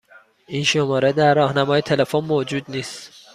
این شماره در راهنمای تلفن موجود نیست.